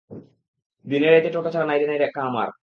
দিনে রাইতে টো টো ছাড়া নাইরে কাম আর।